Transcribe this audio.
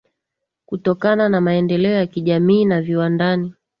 kutokana na maendeleo ya kijamii na viwandani